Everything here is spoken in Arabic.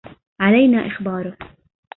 علينا اخباره.